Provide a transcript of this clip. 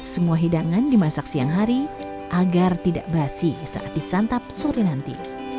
semua hidangan dimasak siang hari agar tidak basi saat disantap sore nanti